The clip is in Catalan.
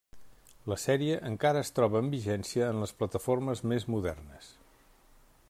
La sèrie encara es troba en vigència en les plataformes més modernes.